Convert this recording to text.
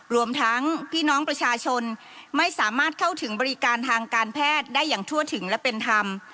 รวมทั้งพี่น้องประชาชนไม่สามารถเข้าถึงบริการทางการแพทย์ได้อย่างทั่วถึงและเป็นธรรม